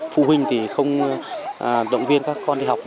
phụ huynh không động viên các con đi học